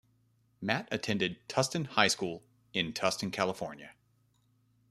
Matt attended Tustin High School in Tustin, California.